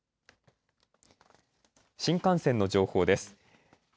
新幹線の情報です。